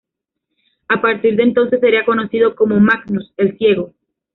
A partir de entonces sería conocido como Magnus "el Ciego".